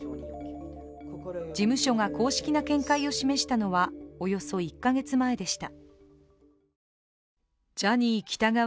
事務所が公式な見解を示したのはおよそ１か月前でした。